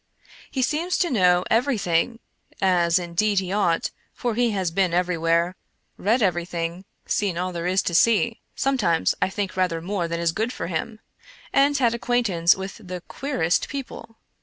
He seems to know everything, as, in deed, he ought, for he has been everywhere, read every thing, seen all there is to see — sometimes I think rather more than is good for him — and had acquaintance with the queerest people.